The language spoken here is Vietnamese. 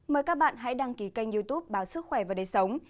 mời các bạn hãy đăng ký kênh youtube báo sức khỏe và đời sống